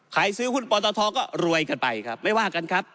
ซื้อหุ้นปตทก็รวยกันไปครับไม่ว่ากันครับ